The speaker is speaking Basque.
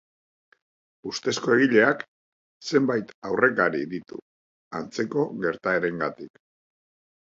Ustezko egileak zenbait aurrekari ditu, antzeko gertaerengatik.